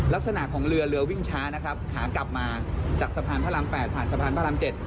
ลักษณะของเรือเรือวิ่งช้านะครับขากลับมาจากสะพานพระราม๘ผ่านสะพานพระราม๗